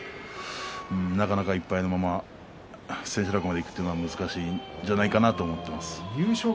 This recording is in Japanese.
なかなか１敗のまま千秋楽までいくというのは難しいんじゃないかなと思っています。